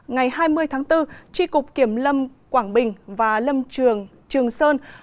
ngày hai mươi tháng bốn tri cục kiểm lâm quảng bình và lâm trường trường sơn